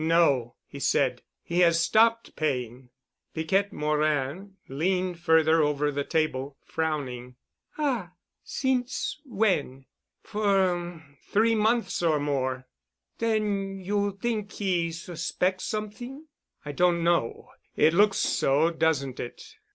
"No," he said, "he has stopped paying." Piquette Morin leaned further over the table, frowning. "Ah! Since when?" "For—er—three months or more." "Then you t'ink he suspects somet'ing?" "I don't know. It looks so, doesn't it?"